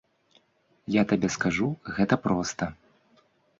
Я табе скажу гэта проста.